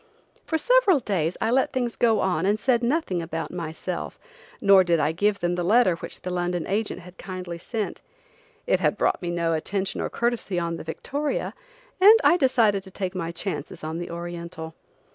For several days I let things go on and said nothing about myself, nor did I give them the letter which the London agent had kindly sent. It had brought me no attention or courtesy on the Victoria, and I decided to take my chances on the Oriental.